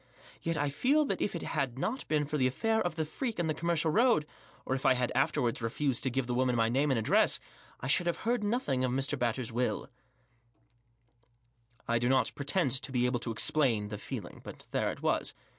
Yet I felt that if it had not been for the Affair of the Freak in the Commercial Road, or if I had afterwards refused to give the woman my name and address, \ should have heard Digitized by THE AFFAIR OF T#E FREAK. 155 nothing of Mr, Batters' will I do not pretend to be able to explain the feeling, but there it was.